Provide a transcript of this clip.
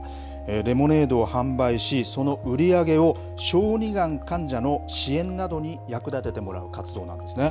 レモネードを販売し、その売り上げを小児がん患者の支援などに役立ててもらう活動なんですね。